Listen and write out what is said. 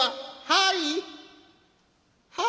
はい。